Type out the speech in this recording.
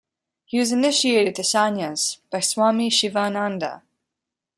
He was initiated to sanyas by Swami Shivananda.